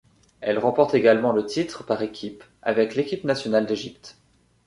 Elle remporte également le titre par équipe avec l'équipe nationale d'Égypte.